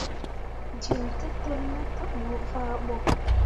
Jin tǝtǝlli me tevbu fah ɓo.